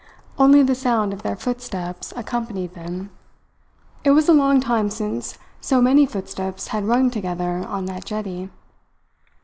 Only the sound of their footsteps accompanied them. It was a long time since so many footsteps had rung together on that jetty.